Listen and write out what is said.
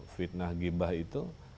fitnah gibah itu